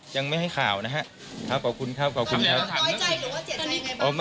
ยังไม่ให้ข่าวนะครับขอบคุณครับขอบคุณครับ